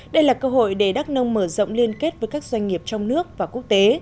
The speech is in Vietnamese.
đây là cơ hội để đắk nông mở rộng liên kết với các doanh nghiệp trong nước và quốc tế